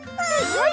はい！